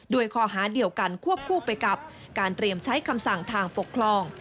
ข้อหาเดียวกันควบคู่ไปกับการเตรียมใช้คำสั่งทางปกครอง